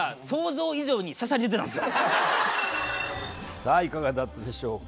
さあいかがだったでしょうか。